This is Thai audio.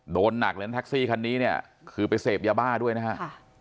โดนหนักเลยนะแท็กซี่คันนี้เนี่ยคือไปเสพยาบ้าด้วยนะฮะ